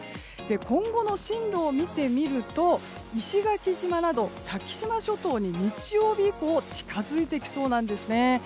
今後の進路を見てみると石垣島など先島諸島に日曜日以降近づいてきそうなんですね。